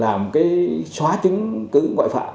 làm cái xóa chứng cứ ngoại phạm